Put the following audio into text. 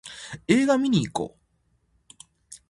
映画見にいこう